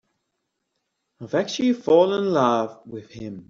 I've actually fallen in love with him.